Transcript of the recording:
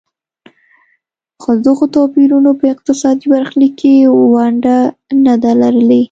خو دغو توپیرونو په اقتصادي برخلیک کې ونډه نه ده لرلې.